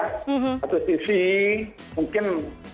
satu sisi mungkin